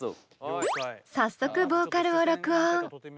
早速ボーカルを録音。